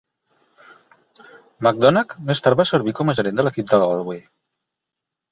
McDonagh més tard va servir com a gerent de l'equip de Galway.